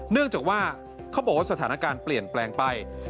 เนื่องจากว่าเขาบอกว่าสถานการณ์เปลี่ยนแปลงไป